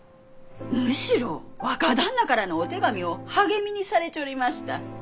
むしろ若旦那からのお手紙を励みにされちょりました。